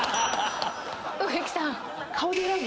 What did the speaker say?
植木さん。